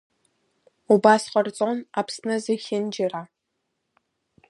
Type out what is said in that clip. Убас ҟарҵон Аԥсны зехьынџьара.